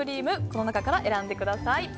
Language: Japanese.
この中から選んでください。